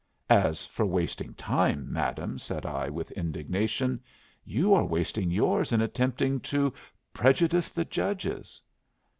"As for wasting time, madam," said I, with indignation, "you are wasting yours in attempting to prejudice the judges."